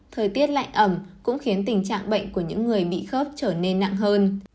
thời tiết lạnh ẩm cũng khiến tình trạng bệnh của những người bị khớp trở nên nặng hơn